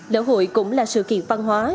lễ hội cũng là sự kiện văn hóa